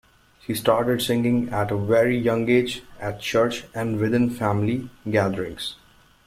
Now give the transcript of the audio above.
She started singing at a very young age, at church and within family gatherings.